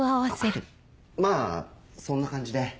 まぁそんな感じで。